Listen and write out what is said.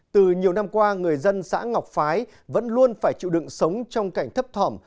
từ nhiều năm qua người dân xã ngọc phái vẫn luôn phải chịu đựng sống trong cảnh thấp thỏm